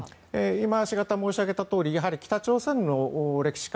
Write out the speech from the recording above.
今しがた申し上げたとおり北朝鮮の歴史観